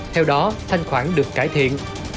theo đó thanh khoản được cải thiện